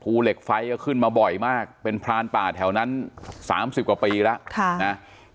ภูเหล็กไฟก็ขึ้นมาบ่อยมากเป็นพรานป่าแถวนั้นสามสิบกว่าปีละค่ะนะ